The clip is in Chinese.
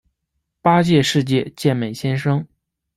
八届世界健美先生。